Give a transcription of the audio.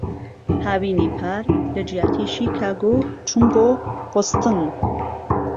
هاوینی پار، لەجیاتیی شیکاگۆ چووم بۆ بۆستن.